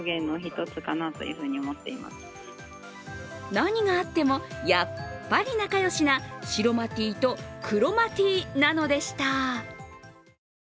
何があってもやっぱり仲良しなシロマティーとクロマティーなのでした。